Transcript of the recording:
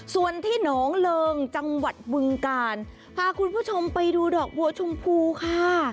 ส่วนที่หนองเริงจังหวัดบึงกาลพาคุณผู้ชมไปดูดอกบัวชมพูค่ะ